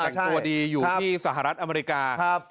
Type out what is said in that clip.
แต่งตัวดีอยู่ที่สหรัฐอเมริกา